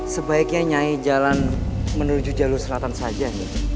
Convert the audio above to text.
sebaiknya nyai jalan menuju jalur selatan saja